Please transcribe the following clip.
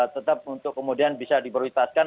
tetap untuk kemudian bisa diprioritaskan